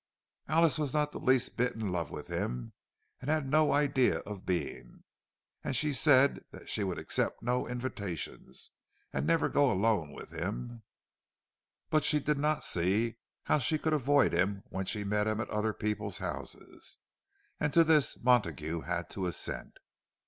Alice was not the least bit in love with him, and had no idea of being; and she said that she would accept no invitations, and never go alone with him; but she did not see how she could avoid him when she met him at other people's houses. And to this Montague had to assent.